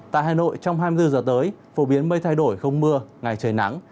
tại hà nội trong hai mươi bốn giờ tới phổ biến mây thay đổi không mưa ngày trời nắng